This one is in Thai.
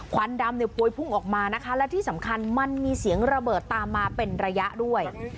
ควันดำเนี่ยพวยพุ่งออกมานะคะและที่สำคัญมันมีเสียงระเบิดตามมาเป็นระยะด้วย